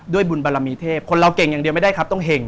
บุญบารมีเทพคนเราเก่งอย่างเดียวไม่ได้ครับต้องเห็ง